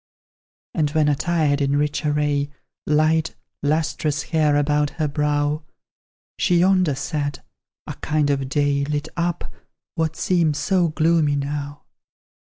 And when attired in rich array, Light, lustrous hair about her brow, She yonder sat, a kind of day Lit up what seems so gloomy now.